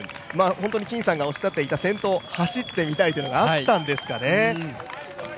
本当に金さんがおっしゃっていた先頭を走ってみたいというのがあったんですかね。